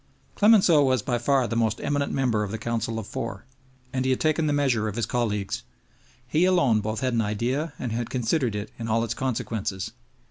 Clemenceau was by far the most eminent member of the Council of Four, and he had taken the measure of his colleagues. He alone both had an idea and had considered it in all its consequences.